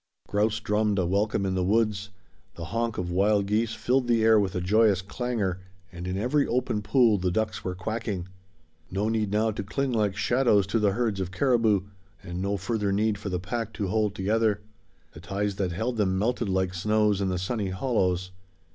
Grouse drummed a welcome in the woods; the honk of wild geese filled the air with a joyous clangor, and in every open pool the ducks were quacking. No need now to cling like shadows to the herds of caribou, and no further need for the pack to hold together. The ties that held them melted like snows in the sunny hollows.